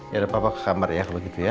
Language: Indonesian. yaudah papa ke kamar ya kalau gitu ya